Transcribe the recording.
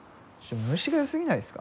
虫がよすぎないですか？